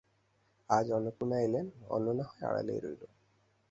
আজ অন্নপূর্ণা এলেন, অন্ন না হয় আড়ালেই রইল।